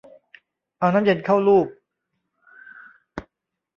เอาน้ำเย็นเข้าลูบ